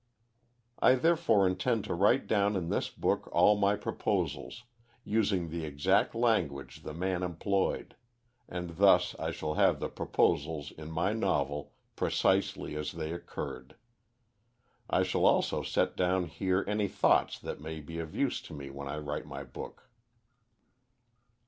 I therefore intend to write down in this book all my proposals, using the exact language the man employed, and thus I shall have the proposals in my novel precisely as they occurred. I shall also set down here any thoughts that may be of use to me when I write my book.